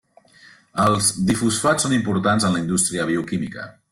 Els difosfats són importants en la indústria bioquímica.